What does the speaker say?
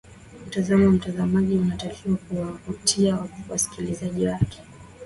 mtazamo wa mtangazaji unatakiwa kuwavutia wasikilizaaji wake